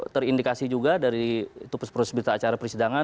terindikasi juga dari tupis tupis berita acara persidangan